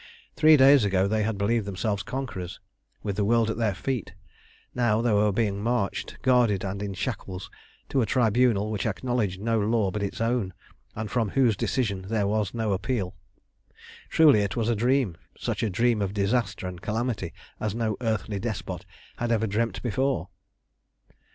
Three days ago they had believed themselves conquerors, with the world at their feet; now they were being marched, guarded and in shackles, to a tribunal which acknowledged no law but its own, and from whose decision there was no appeal. Truly it was a dream, such a dream of disaster and calamity as no earthly despot had ever dreamt before.